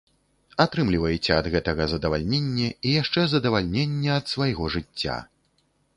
Атрымлівайце ад гэтага задавальненне, і яшчэ задавальненне ад свайго жыцця!